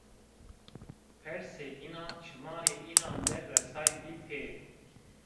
Persê înan çimanê înan de resaybî pê.